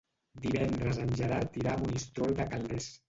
Divendres en Gerard irà a Monistrol de Calders.